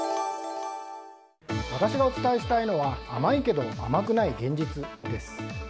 私がお伝えしたいのは甘いけど、甘くない現実です。